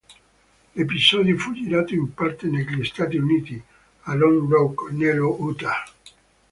L'episodio fu girato in parte negli Stati Uniti, a Lone Rock, nello Utah.